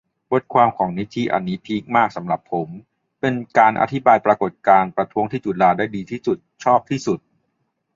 บทความของนิธิ อันนี้พีคมาก สำหรับผม เป็นการอธิบายปรากฎการณ์ประท้วงที่จุฬา ได้ดีที่สุด ชอบที่สุด